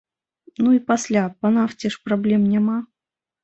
Ну і пасля, па нафце ж праблем няма.